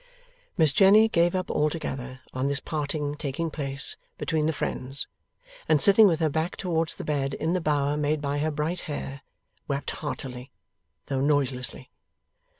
Miss Jenny gave up altogether on this parting taking place between the friends, and sitting with her back towards the bed in the bower made by her bright hair, wept heartily, though noiselessly.